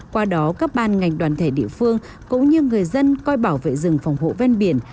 qua đó các ban ngành đoàn thể địa phương cũng như người dân coi bảo vệ rừng phòng hộ ven biển